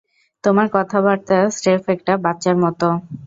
তোমার কথাবার্তা স্রেফ একটা বাচ্চার মতো।